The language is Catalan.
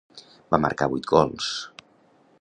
Va marcar vuit gols.